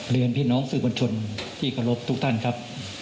เรียนพี่น้องสื่อบัญชนที่เคารพทุกท่านครับ